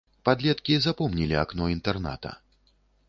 Падлеткі запомнілі акно інтэрната.